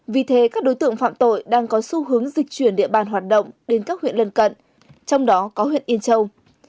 vì thế các đối tượng phạm tội đang có xu hướng dịch chuyển địa bàn hoạt động đến các huyện lần cận trong đó có huyện yên châu